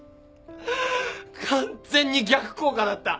完全に逆効果だった。